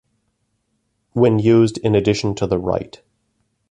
When used in addition to the right.